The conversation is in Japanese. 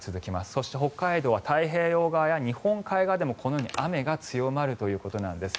そして北海道は太平洋側や日本海側でもこのように雨が強まるということなんです。